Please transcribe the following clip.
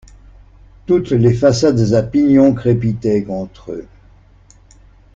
Toutes les façades à pignons crépitaient contre eux.